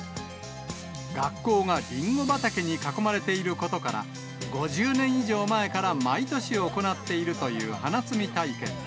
学校がりんご畑に囲まれていることから、５０年以上前から毎年行っているという花摘み体験。